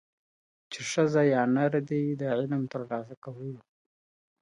چې ښځه یا نر دې د علمترلاسه کولو